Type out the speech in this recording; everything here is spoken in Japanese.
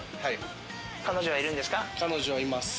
彼女はいます。